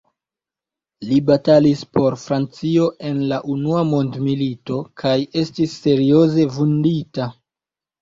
Li batalis por Francio en la Unua Mondmilito kaj estis serioze vundita.